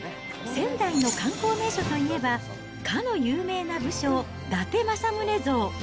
仙台の観光名所といえば、かの有名な武将、伊達政宗像。